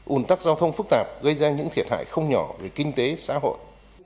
ủn tắc giao thông phức tạp gây ra những thiệt hại không nhỏ về kinh tế xã hội